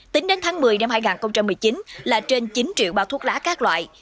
tính đến tháng một mươi năm hai nghìn một mươi chín là trên chín triệu bao thuốc lá các loại